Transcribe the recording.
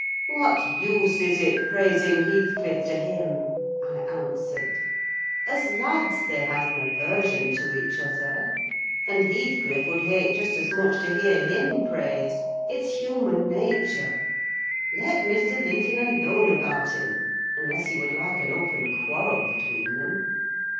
"What use is it praising Heathcliff to him?" I answered. "As lads they had an aversion to each other, and Heathcliff would hate just as much to hear him praised: it's human nature. Let Mr. Linton alone about him, unless you would like an open quarrel between them."